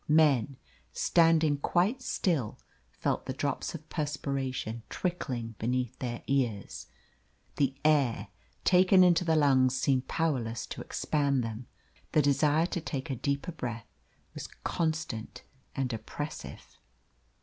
Men, standing quite still, felt the drops of perspiration trickling beneath their ears. The air taken into the lungs seemed powerless to expand them. The desire to take a deeper breath was constant and oppressive.